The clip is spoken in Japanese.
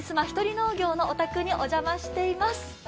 ひとり農業のお宅にお邪魔しています。